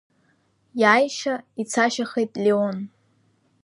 Иааишьа ицашьахеит Леон.